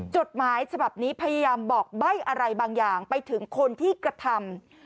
จดหมายฉบับนี้พยายามบอกใบ้อะไรบางอย่างไปถึงคนที่กระทำ